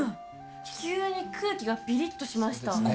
急に空気がビリっとしました。